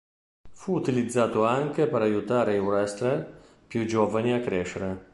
Fu utilizzato anche per aiutare i wrestler più giovani a crescere.